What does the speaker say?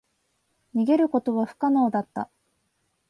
逃げることは不可能だった。